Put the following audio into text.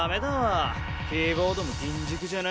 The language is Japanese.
キーボードも銀軸じゃないと。